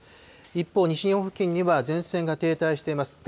一方、西日本付近には前線が停滞しています。